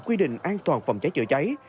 quy định an toàn phòng cháy chở cháy